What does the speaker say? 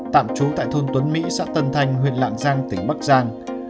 tạm trú tại thôn tuấn mỹ xã tân thanh huyện lạng giang tỉnh bắc giang